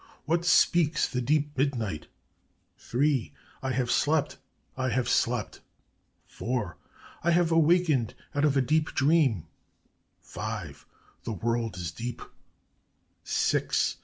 "'What speaks the deep midnight?' "'THREE! "'I have slept, I have slept ' "'FOUR! "'I have awaked out of a deep dream: ' "'FIVE! "'The world is deep,' "'SIX!